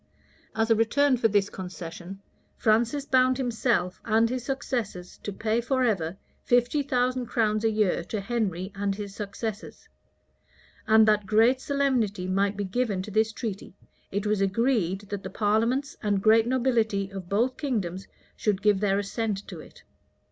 As a return for this concession, Francis bound himself and his successors to pay forever fifty thousand crowns a year to Henry and his successors; and that greater solemnity might be given to this treaty, it was agreed that the parliaments and great nobility of both kingdoms should give their assent to it.